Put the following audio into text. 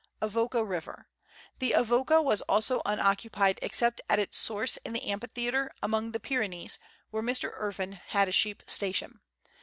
Avoca River. The Avoca was also unoccupied except at its source in the Amphitheatre, among the Pyrenees, where Mr. Irvine had a sheep station.